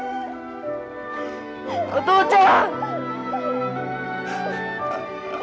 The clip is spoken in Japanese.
お父ちゃん！